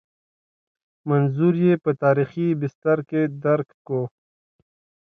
منظور یې په تاریخي بستر کې درک کوو.